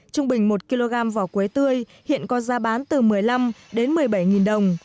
trung bình một kg vỏ quế tươi hiện có giá bán từ một mươi năm đến một mươi bảy đồng